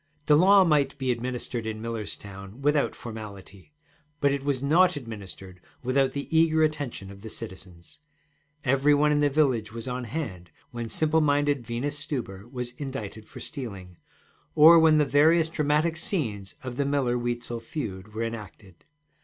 The law might be administered in Millerstown without formality, but it was not administered without the eager attention of the citizens. Every one in the village was on hand when simple minded Venus Stuber was indicted for stealing, or when the various dramatic scenes of the Miller Weitzel feud were enacted.